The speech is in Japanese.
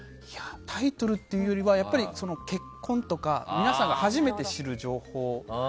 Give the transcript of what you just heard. タイトルというよりは結婚とか皆さんが初めて知る情報。